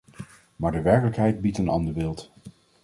Maar de werkelijkheid biedt een ander beeld.